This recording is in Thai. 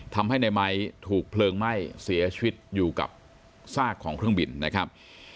ทำให้ในไม้ถูกเพลิงไหม้เสียชีวิตอยู่กับซากของเครื่องบินนะครับ